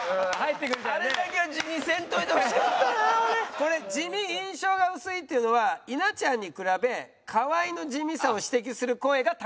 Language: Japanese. これ「地味・印象が薄い」っていうのは稲ちゃんに比べ河井の地味さを指摘する声が多数。